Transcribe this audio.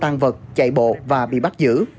tăng vật chạy bộ và bị bắt giữ